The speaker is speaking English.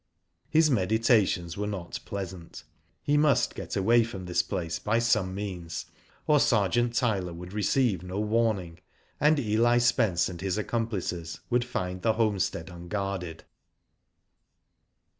His meditations were not pleasant. He must get away from this place by some means, or Sergeant Tyler would, receive no warnings and Eli Spence and his accomplices would find the homestead unguarded.